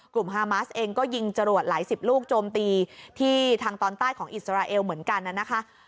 ฮามาสเองก็ยิงจรวดหลายสิบลูกโจมตีที่ทางตอนใต้ของอิสราเอลเหมือนกันนะคะ